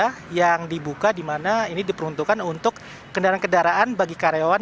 ada yang dibuka di mana ini diperuntukkan untuk kendaraan kendaraan bagi karyawan